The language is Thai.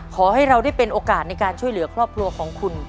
ขอให้เราได้เป็นโอกาสในการช่วยเหลือครอบครัวของคุณ